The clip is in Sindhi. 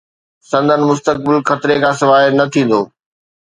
سندن مستقبل خطري کان سواء نه ٿيندو.